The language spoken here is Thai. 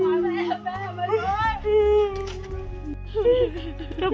วันที่สุดท้ายเกิดขึ้นเกิดขึ้น